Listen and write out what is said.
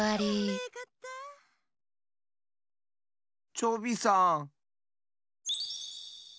チョビさん。